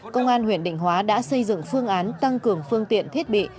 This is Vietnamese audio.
công an huyện định hóa đã xây dựng phương án tăng cường phương tiện thiết bị